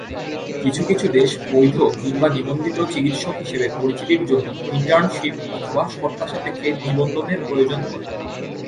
কিছু কিছু দেশে বৈধ কিংবা নিবন্ধিত চিকিৎসক হিসেবে পরিচিতির জন্য ইন্টার্নশীপ অথবা শর্তসাপেক্ষে নিবন্ধনের প্রয়োজন পড়ে।